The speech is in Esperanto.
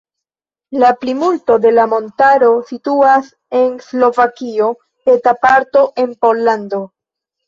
La plimulto de la montaro situas en Slovakio, eta parto en Pollando.